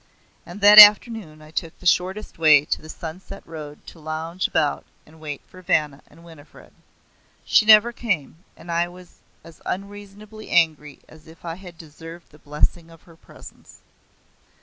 And that afternoon I took the shortest way to the sun set road to lounge about and wait for Vanna and Winifred. She never came, and I was as unreasonably angry as if I had deserved the blessing of her presence.